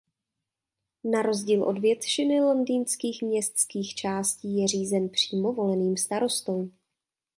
Na rozdíl od většiny londýnských městských částí je řízen přímo voleným starostou.